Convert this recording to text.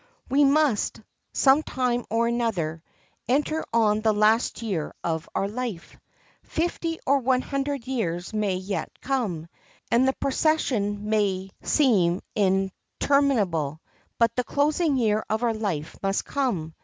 We must, some time or other, enter on the last year of our life; fifty or one hundred years may yet come, and the procession may seem interminable, but the closing year of our life must come.